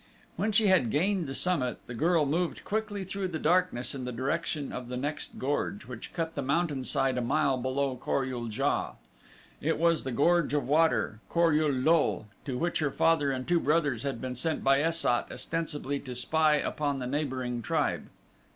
When she had gained the summit, the girl moved quickly through the darkness in the direction of the next gorge which cut the mountain side a mile beyond Kor ul JA. It was the Gorge of water, Kor ul lul, to which her father and two brothers had been sent by Es sat ostensibly to spy upon the neighboring tribe.